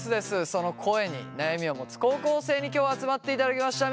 その声に悩みを持つ高校生に今日は集まっていただきました。